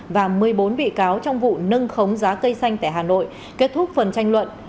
và một mươi bốn bị cáo trong vụ nâng khống giá cây xanh tại hà nội kết thúc phần tranh luận